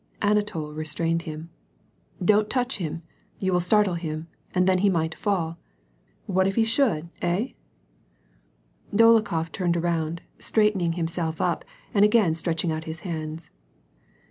Anatol restrained him, —" Don't touch him ; you will startle him, and then he might fall. What if he should ? Hey ?" Dolokhof turned around, straightening himself up, and again stretching out his hands.